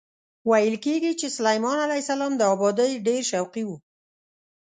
ویل کېږي چې سلیمان علیه السلام د ابادۍ ډېر شوقي و.